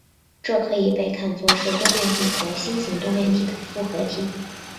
这可以被看作是多面体和星形多面体的复合体。